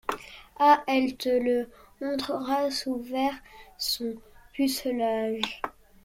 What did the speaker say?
Ah ! elle te le montrera sous verre, son pucelage !...